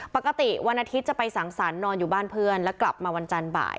ปกติวันอาทิตย์จะไปสังสรรค์นอนอยู่บ้านเพื่อนแล้วกลับมาวันจันทร์บ่าย